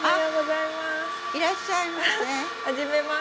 いらっしゃいませ。